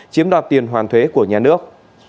chiếm đoạt tiền hoàn thuế của nhà nước